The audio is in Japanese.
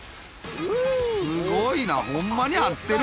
すごいな、ほんまに合ってる？